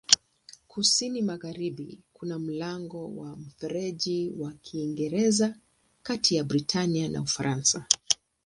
Kusini-magharibi kuna mlango wa Mfereji wa Kiingereza kati ya Britania na Ufaransa.